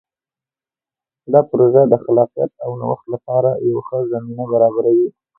دا پروژه د خلاقیت او نوښت لپاره یوه ښه زمینه برابروي.